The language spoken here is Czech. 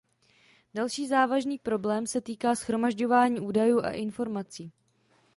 Další závažný problém se týká shromažďování údajů a informací.